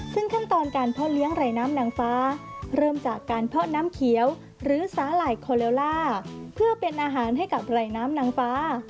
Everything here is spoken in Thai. ซึ่งขั้นตอนการเพาะเลี้ยงไรน้ำนางฟ้าเริ่มจากการเพาะน้ำเขียวหรือสาหร่ายโคเลล่าเพื่อเป็นอาหารให้กับไหลน้ำนางฟ้า